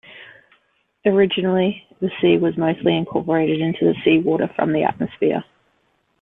Originally, the C was mostly incorporated into the seawater from the atmosphere.